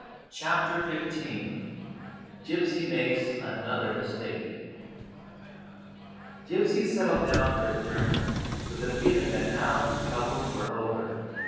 176 CHAPTER XV GYPSY MAKES ANOTHER MISTAKE G YPSY settled down for liis journey with the feeling that now his troubles were over.